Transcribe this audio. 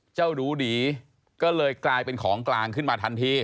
ดูดีก็เลยกลายเป็นของกลางขึ้นมาทันที